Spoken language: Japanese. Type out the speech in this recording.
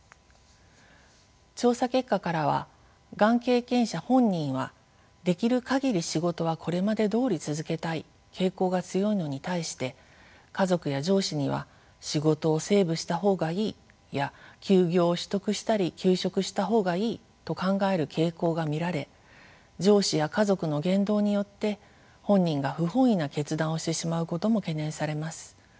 調査結果からはがん経験者本人はできる限り仕事はこれまでどおり続けたい」傾向が強いのに対して家族や上司には「仕事をセーブした方がいい」や「休業を取得したり休職した方がいい」と考える傾向が見られ上司や家族の言動によって本人が不本意な決断をしてしまうことも懸念されます。